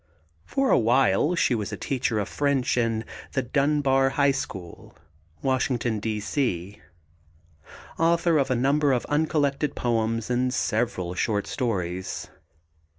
For a while she was teacher of French in the Dunbar High School, Washington, D.C. Author of a number of uncollected poems and several short stories.